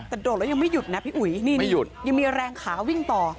แต่โดดแล้วยังไม่หยุดนะพี่อุ๋ยยังมีแรงขาวิ่งต่อ